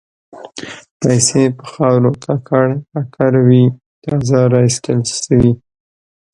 پیسې په خاورو ککړ پکر وې تازه را ایستل شوې.